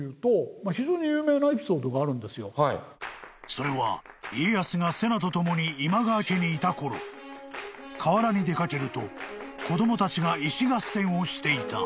［それは家康が瀬名と共に今川家にいた頃河原に出掛けると子供たちが石合戦をしていた］